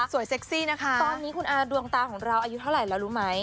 เซ็กซี่นะคะตอนนี้คุณอาดวงตาของเราอายุเท่าไหร่แล้วรู้ไหม